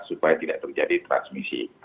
supaya tidak terjadi transmisi